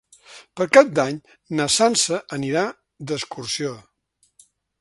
Per Cap d'Any na Sança anirà d'excursió.